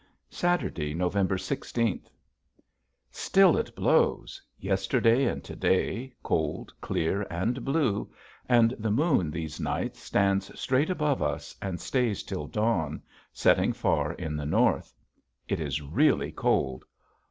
Saturday, November sixteenth. Still it blows, yesterday and to day, cold, clear, and blue, and the moon these nights stands straight above us and stays till dawn, setting far in the north. It is really cold.